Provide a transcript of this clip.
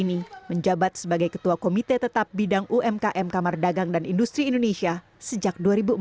ini menjabat sebagai ketua komite tetap bidang umkm kamar dagang dan industri indonesia sejak dua ribu empat